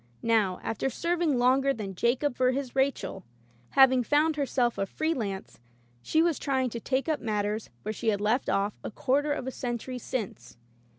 Now, after serving longer than Jacob for his Rachel, having found herself a free lance, she was trying to take up matters where she had left off a quarter of a century since.